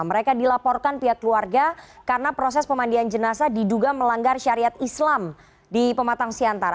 mereka dilaporkan pihak keluarga karena proses pemandian jenasa diduga melanggar syariat islam di pematang siantar